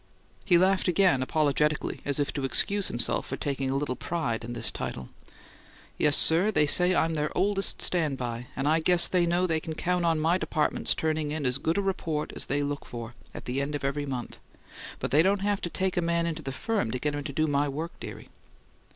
He laughed again, apologetically, as if to excuse himself for taking a little pride in this title. "Yes, sir; they say I'm their 'oldest stand by'; and I guess they know they can count on my department's turning in as good a report as they look for, at the end of every month; but they don't have to take a man into the firm to get him to do my work, dearie."